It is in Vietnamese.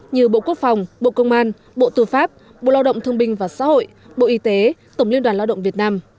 như bộ quốc phòng bộ công an bộ tư pháp bộ lao động thương binh và xã hội bộ y tế tổng liên đoàn lao động việt nam